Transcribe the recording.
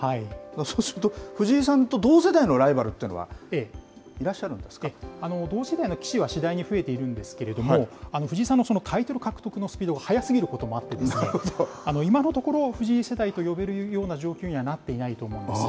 そうすると、藤井さんと同世代のライバルっていうのは、いらっし同世代の棋士は次第に増えているんですけれども、藤井さんのタイトル獲得のスピードが速すぎることもあって、今のところ、藤井世代と呼べるような状況にはなっていないと思います。